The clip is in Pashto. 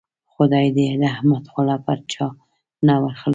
خدای دې د احمد خوله پر چا نه ور خلاصوي.